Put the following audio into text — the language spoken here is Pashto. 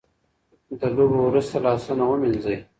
د لوبو وروسته لاسونه ومینځئ.